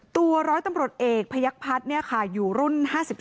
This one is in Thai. ตัวร้อยตำรวจเอกพยักพัฒน์อยู่รุ่น๕๒